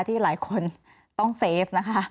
ที่หลายคนต้องเซฟนะคะ